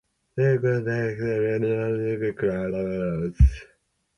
The sap sometimes stains yellow on fingers and clothes.